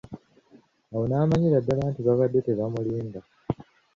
Awo n'amanyira ddala nti baabadde tebamulimba.